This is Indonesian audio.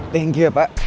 thank you ya pak